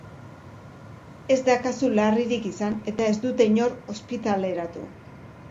Ez da kasu larririk izan eta ez dute inor ospitaleratu.